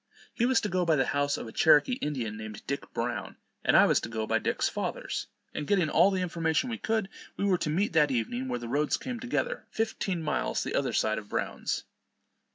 He was to go by the house of a Cherokee Indian, named Dick Brown, and I was to go by Dick's father's; and getting all the information we could, we were to meet that evening where the roads came together, fifteen miles the other side of Brown's.